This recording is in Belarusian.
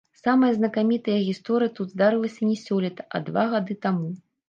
Самая знакамітая гісторыя тут здарылася не сёлета, а два гады таму.